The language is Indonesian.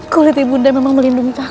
kuliti bunda memang melindungi kakak